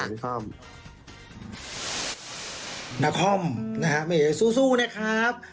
นาคอมนะฮะเม๋สู้นะครับ